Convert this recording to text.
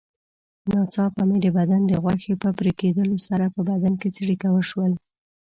ناڅاپه مې د بدن د غوښې په پرېکېدلو سره په بدن کې څړیکه وشول.